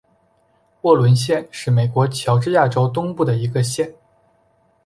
沃伦县是美国乔治亚州东部的一个县。